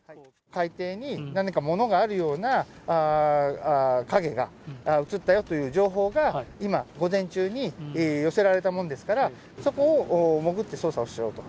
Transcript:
海底に何か物があるような影が映ったよという情報が今、午前中に寄せられたもんですから、そこを潜って捜査をしようと。